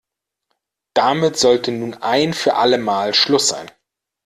Damit sollte nun ein für alle Mal Schluss sein.